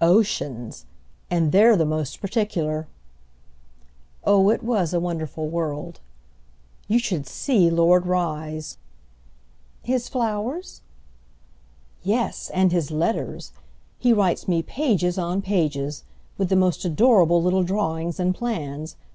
"Oceans. And they're the most particular." Oh it was a wonderful world. "You should see Lord Rye's." "His flowers?" "Yes, and his letters. He writes me pages on pages—with the most adorable little drawings and plans.